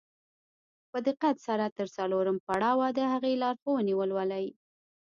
په دقت سره تر څلورم پړاوه د هغې لارښوونې ولولئ.